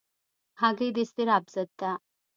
هګۍ د اضطراب ضد ده.